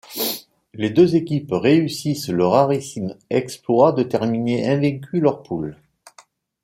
Les deux équipes réussissent le rarissime exploit de terminer invaincues leurs poules.